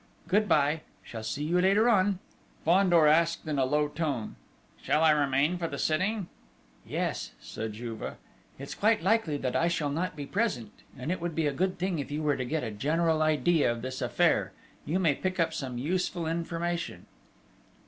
Good bye. Shall see you later on!" Fandor asked, in a low tone: "Shall I remain for the sitting?" "Yes," said Juve. "It is quite likely that I shall not be present; and it would be a good thing if you were to get a general idea of this affair: you may pick up some useful information."